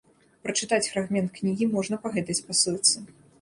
Прачытаць фрагмент кнігі можна па гэтай спасылцы.